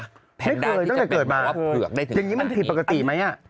ไม่เคยตั้งแต่เกิดมาอย่างนี้มันผิดปกติไหมอ่ะแพนด้าที่จะเป็นเหมือนว่าเปลือกได้ถึงตรงนี้